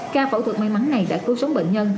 ca phẫu thuật may mắn này đã cứu sống bệnh nhân